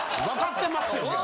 分かってますよ。